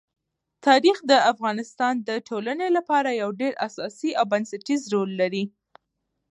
تاریخ د افغانستان د ټولنې لپاره یو ډېر اساسي او بنسټيز رول لري.